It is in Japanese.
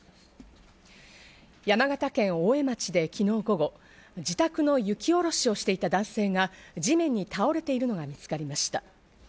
山形県大江町で昨日午後、自宅の雪下ろしをしていた男性が地面に倒れているのが見つかりました。